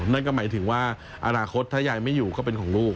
นั่นก็หมายถึงว่าอนาคตถ้ายายไม่อยู่ก็เป็นของลูก